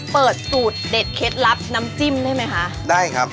เปิดสูตรเด็ดเคล็ดลับน้ำจิ้มได้ไหมคะได้ครับ